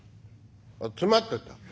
あっ詰まってた。